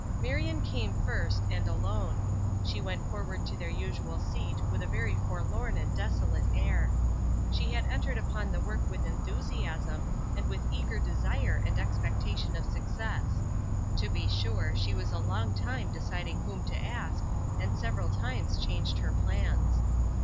Marion came first, and alone. She went forward to their usual seat with a very forlorn and desolate air. She had entered upon the work with enthusiasm, and with eager desire and expectation of success. To be sure she was a long time deciding whom to ask, and several times changed her plans.